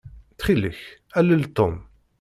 Ttxil-k, alel Tom.